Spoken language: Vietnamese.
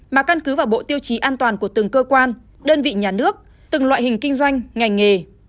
mà căn cứ vào bộ tiêu chí an toàn của từng cơ quan đơn vị nhà nước từng loại hình kinh doanh ngành nghề